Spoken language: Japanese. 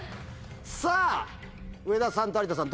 さぁ上田さんと有田さん